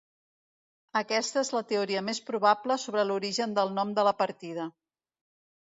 Aquesta és la teoria més probable sobre l'origen del nom de la partida.